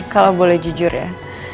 kalau boleh jujur ya